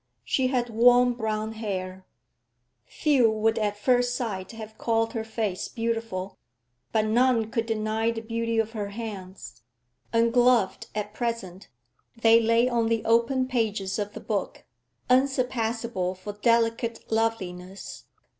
She had warm brown hair. Few would at first sight have called her face beautiful, but none could deny the beauty of her hands. Ungloved at present, they lay on the open pages of the book, unsurpassable for delicate loveliness.